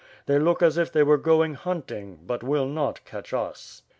They look as if they were going hunting, but will not catch us."